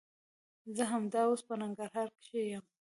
زه همدا اوس په ننګرهار کښي يم.